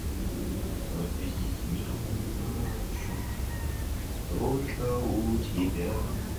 Только с детьми мне хорошо, только у тебя.